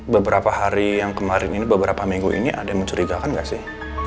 beberapa hari yang kemarin ini beberapa minggu ini ada yang mencurigakan nggak sih